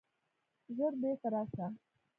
ژر بیرته راسه!